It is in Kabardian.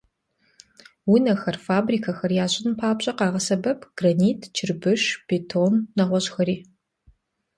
Унэхэр, фабрикэхэр ящӀын папщӀэ, къагъэсэбэп гранит, чырбыш, бетон, нэгъуэщӀхэри.